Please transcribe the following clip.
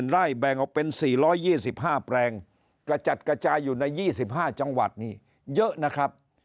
ไร่แบ่งออกเป็น๔๒๕แปลงกระจัดกระจายอยู่ใน๒๕จังหวัดนี่เยอะนะครับ